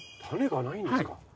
種がないんですか。